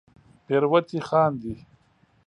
پیروتې خاندې